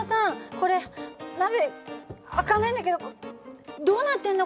これ鍋開かないんだけどどうなってんの？